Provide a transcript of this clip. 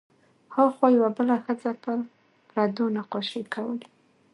هاخوا یوه بله ښځه پر پردو نقاشۍ کولې.